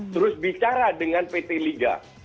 terus bicara dengan pt liga